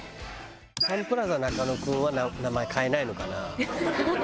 サンプラザ中野くんは名前変えないのかな？